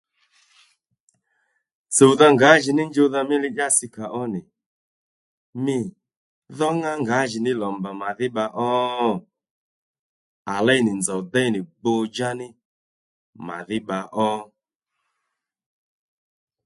Tsùwdha ngǎjìní djuwdha mí li dyasi kàó nì mî dhó ŋá ngǎjìní lò mbà màdhí bba ò? À léy nì nzòw déy nì gbùw-djá ní màdhí bba ó